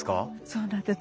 そうなんです。